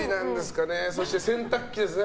そして、洗濯機ですね